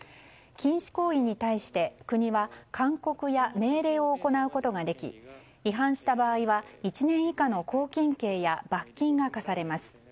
禁止行為に対して国は勧告や命令を行うことができ違反した場合は１年以下の拘禁刑や罰金が科されます。